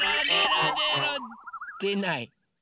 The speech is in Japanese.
でない。